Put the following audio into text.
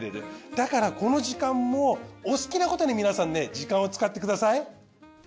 だからこの時間もお好きなことに皆さんね時間を使ってください。